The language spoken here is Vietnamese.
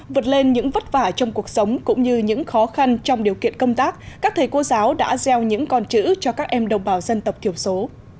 vượt lên những vất vả trong cuộc sống cũng như những khó khăn trong điều kiện công tác các thầy cô giáo đã gieo những con chữ cho các em đồng bào dân tộc thiểu số